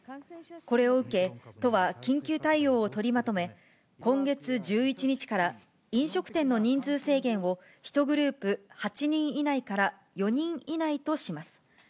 これを受け、都は緊急対応を取りまとめ、今月１１日から、飲食店の人数制限を１グループ８人以内から４人以内とします。